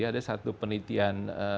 ada satu penelitian